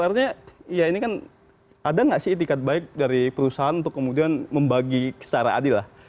artinya ya ini kan ada nggak sih itikat baik dari perusahaan untuk kemudian membagi secara adil lah